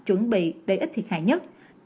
chuẩn bị để ít thiệt hại nhất